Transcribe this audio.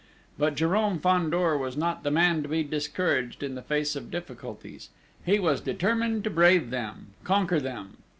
But Jérôme Fandor was not the man to be discouraged in the face of difficulties: he was determined to brave them conquer them!